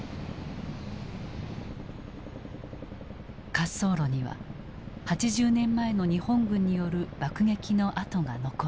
滑走路には８０年前の日本軍による爆撃の痕が残る。